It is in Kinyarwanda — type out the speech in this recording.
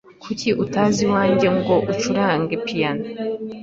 Kuki utaza iwanjye ngo ucurange piyano?